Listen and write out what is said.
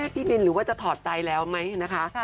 พี่บินหรือว่าจะถอดใจแล้วไหมนะคะ